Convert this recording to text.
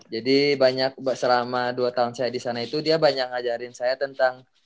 jadi banyak selama dua tahun saya di sana itu dia banyak ngajarin saya tentang